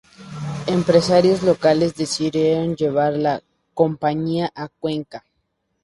Empresarios locales decidieron llevar la compañía a Cuenca.